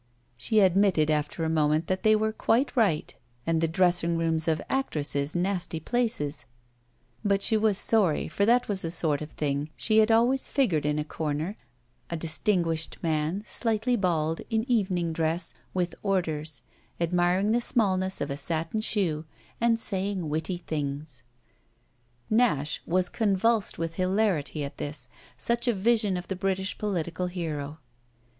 She admitted after a moment that they were quite right and the dressing rooms of actresses nasty places; but she was sorry, for that was the sort of thing she had always figured in a corner a distinguished man, slightly bald, in evening dress, with orders, admiring the smallness of a satin shoe and saying witty things. Nash was convulsed with hilarity at this such a vision of the British political hero.